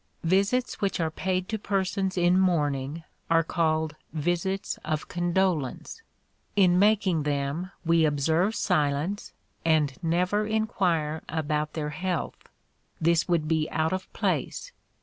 Visits which are paid to persons in mourning, are called visits of condolence. In making them, we observe silence, and never inquire about their health; this would be out of place.